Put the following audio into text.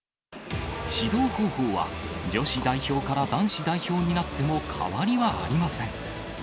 指導方法は、女子代表から男子代表になっても変わりはありません。